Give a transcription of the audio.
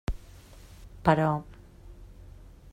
Però.